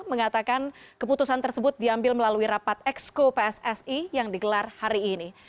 mengatakan keputusan tersebut diambil melalui rapat exco pssi yang digelar hari ini